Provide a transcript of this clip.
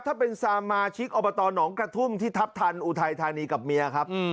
ถ้าเป็นสมาชิกอบตหนองกระทุ่มที่ทัพทันอุทัยธานีกับเมียครับ